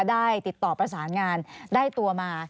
ได้ติดต่อประสานงานได้ตัวมา